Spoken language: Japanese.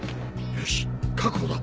よし確保だ。